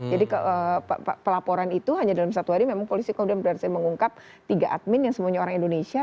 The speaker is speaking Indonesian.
jadi pelaporan itu hanya dalam satu hari memang polisi kondom berharga mengungkap tiga admin yang semuanya orang indonesia